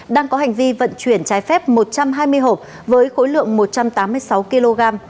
đang có hành vi vận chuyển trái phép một trăm hai mươi hộp với khối lượng một trăm tám mươi sáu kg